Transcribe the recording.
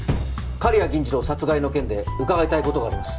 刈谷銀次郎殺害の件で伺いたい事があります。